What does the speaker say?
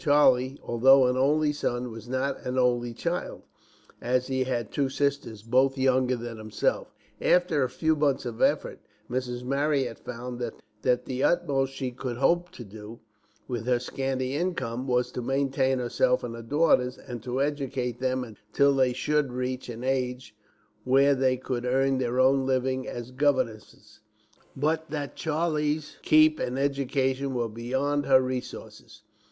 Charlie, although an only son, was not an only child, as he had two sisters both younger than himself. After a few months of effort, Mrs. Marryat found that the utmost she could hope to do, with her scanty income, was to maintain herself and daughters, and to educate them until they should reach an age when they could earn their own living as governesses; but that Charlie's keep and education were beyond her resources.